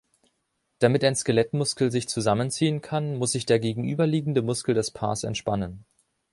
Damit ein Skelettmuskel sich zusammenziehen kann, muss sich der gegenüberliegende Muskel des Paars entspannen.